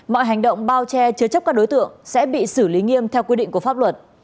mọi hành động bao che chứa chấp các đối tượng sẽ bị xử lý nghiêm theo quy định của pháp luật